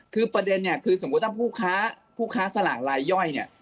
คือประเด็นเนี่ยคือสมมุติถ้าผู้ค้าสลากลายย่อยเนี่ย